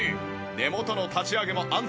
根元の立ち上げも安全。